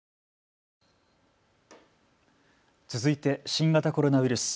続いて新型コロナウイルス。